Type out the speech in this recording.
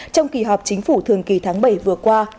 trong kỳ họp chính phủ thường kỳ tháng bảy vừa qua